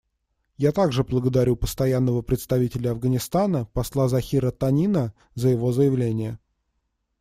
Я также благодарю Постоянного представителя Афганистана посла Захира Танина за его заявление.